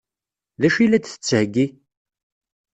D acu i la d-tettheggi?